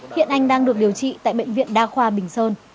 hiện anh đang được điều trị tại bệnh viện đa khoa bình sơn